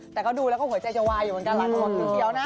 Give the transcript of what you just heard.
แต่เขารู้แล้วก็หัวใจจะไหวอยู่อยู่กันก็ละทุกค่วงเดียวนะ